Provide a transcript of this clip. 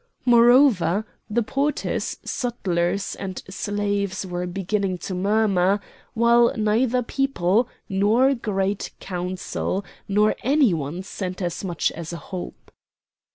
Moreover, the porters, sutlers, and slaves were beginning to murmur, while neither people, nor Great Council, nor any one sent as much as a hope.